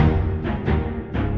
benci sekali sama kamu